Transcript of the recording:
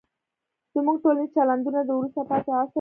زموږ ټولنیز چلندونه د وروسته پاتې عصر دي.